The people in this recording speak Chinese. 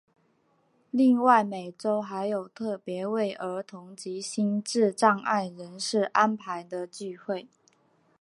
另外每周还有特别为儿童及心智障碍人士安排的聚会。